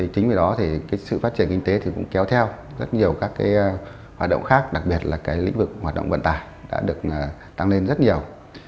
chính vì đó thì sự phát triển kinh tế thì cũng kéo theo rất nhiều các hoạt động khác đặc biệt là lĩnh vực hoạt động vận tải đã được tăng lên rất nhiều